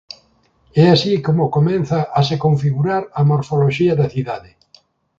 É así como comeza a se configurar a morfoloxía da cidade.